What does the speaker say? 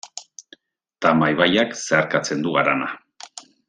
Tama ibaiak zeharkatzen du harana.